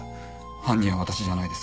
犯人は私じゃないです。